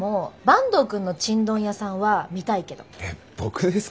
えっ僕ですか？